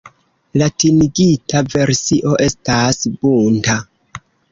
Latinigita versio estas "Bunta".